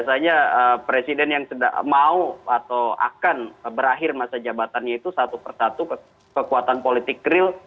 karena presiden yang mau atau akan berakhir masa jabatannya itu satu persatu kekuatan politik real